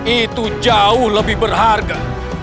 itu jauh lebih berharga